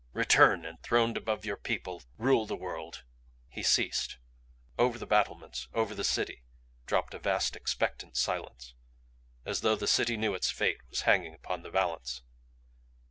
Return, and throned above your people rule the world!" He ceased. Over the battlements, over the city, dropped a vast expectant silence as though the city knew its fate was hanging upon the balance.